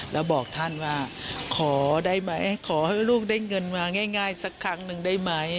แล้วบอกท่านว่าขอได้ไหมขอให้ลูกได้เงินมาง่ายสักครั้งหนึ่งได้ไหม